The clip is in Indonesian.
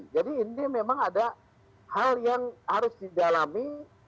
jadi ini memang ada hal yang harus didalami